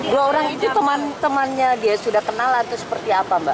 dua orang itu temannya dia sudah kenal atau seperti apa mbak